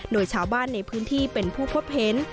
โดยชาวบ้านในพื้นที่เป็นผู้พบเห็น